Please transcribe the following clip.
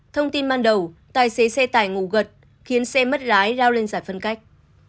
thông tin ban đầu tài xế xe tải ngủ gật khiến xe mất lái lao lên giải phân cách